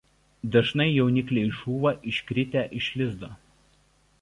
Dažnai jaunikliai žūva iškritę iš lizdo.